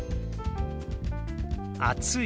「暑い」。